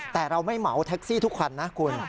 แต่เราไม่เหมาแท็กซี่ทุกคันนะคุณ